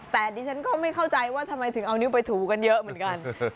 แต่ดิฉันก็ไม่เข้าใจว่าทำไมถึงเอานิ้วไปถูกันเยอะเหมือนกัน